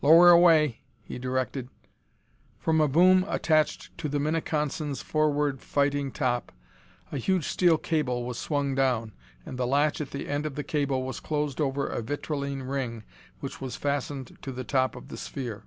"Lower away," he directed. From a boom attached to the Minneconsin's forward fighting top, a huge steel cable swung down, and the latch at the end of the cable was closed over a vitrilene ring which was fastened to the top of the sphere.